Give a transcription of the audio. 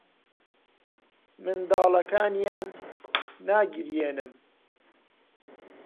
منداڵەکانیان ناگریێنم.